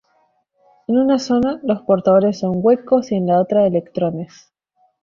En una zona, los portadores son huecos y en la otra electrones.